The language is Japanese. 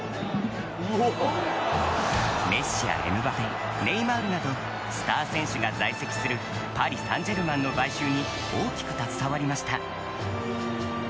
メッシやエムバペネイマールなどスター選手が在籍するパリ・サンジェルマンの買収に大きく携わりました。